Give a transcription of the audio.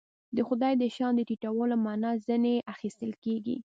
د خدای د شأن د ټیټولو معنا ځنې اخیستل کېږي.